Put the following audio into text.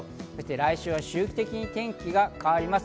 来週は周期的に天気が変わります。